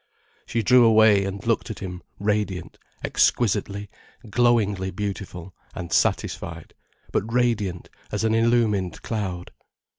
She drew away, and looked at him radiant, exquisitely, glowingly beautiful, and satisfied, but radiant as an illumined cloud.